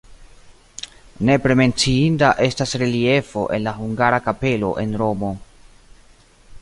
Nepre menciinda estas reliefo en la hungara kapelo en Romo.